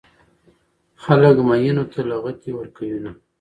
خلک ميينو ته لغتې ورکوينه